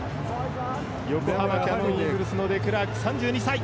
横浜キヤノンイーグルスのデクラーク、３２歳。